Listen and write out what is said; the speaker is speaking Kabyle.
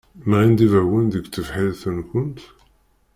Mɣin-d ibawen deg tebḥirt-nkent?